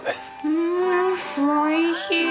うんおいしい！